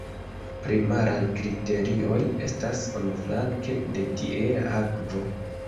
Primaraj kriterioj estas unuflanke la tiea akvo...